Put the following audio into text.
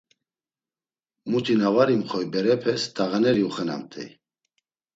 Muti na var imxoy berepes t̆ağaneri uxenamt̆ey.